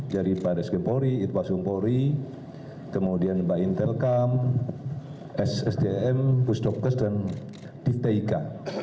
dari pak resgen polri irwasum polri kemudian mbak intelkam ssdm bustokkes dan divtika